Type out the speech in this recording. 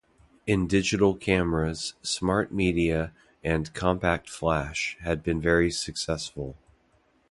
In digital cameras SmartMedia and CompactFlash had been very successful.